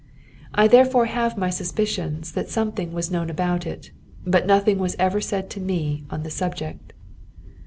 I therefore have my suspicions that something was known about it, but nothing was ever said to me on the subject.